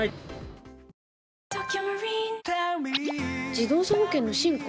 自動車保険の進化？